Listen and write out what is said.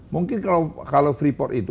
mungkin kalau freeport itu